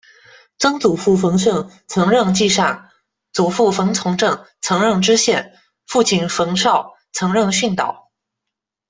曾祖父冯盛，曾任纪善；祖父冯从政，曾任知县；父亲冯绍，曾任训导。